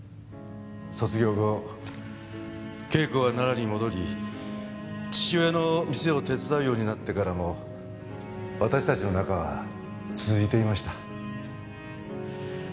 卒業後景子は奈良に戻り父親の店を手伝うようになってからも私たちの仲は続いていました。